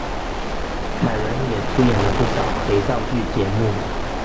凯文也出演不少肥皂剧节目。